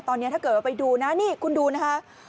ตอนนี้ถ้าเกิดว่าไปดูนะนี่คุณดูนะคะ